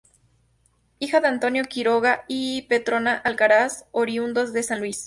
Hija de Antonio Quiroga y Petrona Alcaraz, oriundos de San Luis.